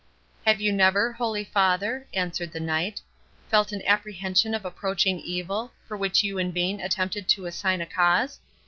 "Have you never, holy father," answered the Knight, "felt an apprehension of approaching evil, for which you in vain attempted to assign a cause?